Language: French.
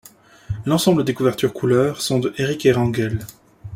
L'ensemble des couvertures couleurs sont de Éric Hérenguel.